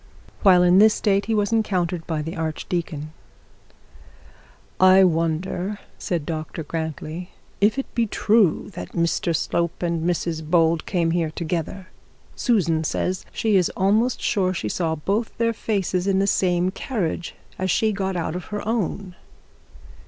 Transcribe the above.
While in this state he was encountered by the archdeacon. 'I wonder,' said Dr Grantly, 'if it be true that Mr Slope and Mrs Bold come here together. Susan says she is almost sure she saw their faces in the same carriage as she got out of her own.'